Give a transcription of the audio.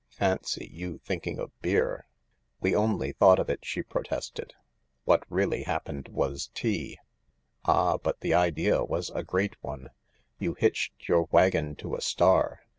Fancy you thinking of beer !" "We only thought of it," she protested; "what really happened was tea." " Ah, but the idea was a great one. You hitched your wagon to a star.